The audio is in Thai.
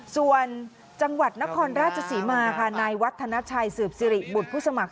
ส่วนจังหวัดนครราชศรีมาค่ะนายวัฒนาชัยสืบสิริบุตรผู้สมัคร